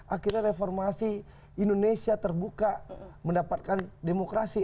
akhirnya reformasi indonesia terbuka mendapatkan demokrasi